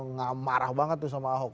nggak marah banget tuh sama ahok